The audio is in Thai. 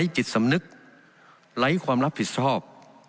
จิตสำนึกไร้ความรับผิดชอบ